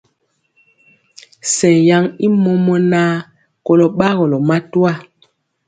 Sɛŋ yaŋ i mɔmɔnaa kolɔ gbagɔlɔ matwa.